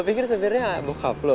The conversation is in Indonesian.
gue pikir sebirnya bokap lo